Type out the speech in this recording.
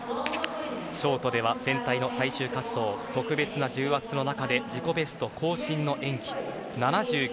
ショートでは全体の最終滑走特別な重圧の中で自己ベスト更新の演技。